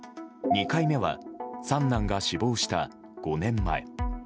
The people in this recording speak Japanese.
２回目は三男が死亡した５年前。